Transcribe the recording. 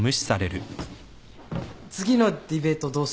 次のディベートどうする？